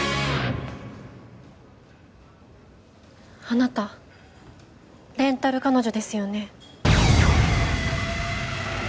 あなたレンタル彼女ですよね？